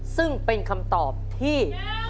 ซึ่งเป็นคำตอบที่